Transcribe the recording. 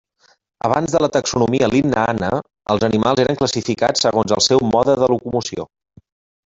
Abans de la taxonomia linneana, els animals eren classificats segons el seu mode de locomoció.